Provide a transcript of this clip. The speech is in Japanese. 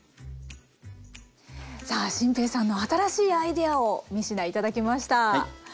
さあ心平さんの新しいアイデアを３品頂きました。